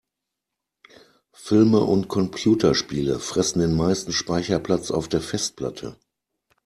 Filme und Computerspiele fressen den meisten Speicherplatz auf der Festplatte.